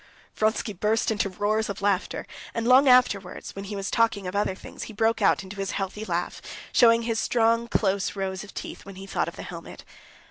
Vronsky burst into roars of laughter. And long afterwards, when he was talking of other things, he broke out into his healthy laugh, showing his strong, close rows of teeth, when he thought of the helmet.